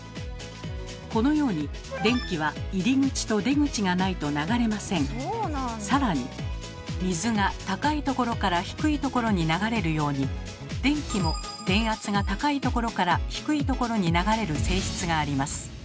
このように電気は更に水が高いところから低いところに流れるように電気も電圧が高いところから低いところに流れる性質があります。